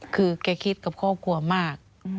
คือแกคิดกับครอบครัวมาก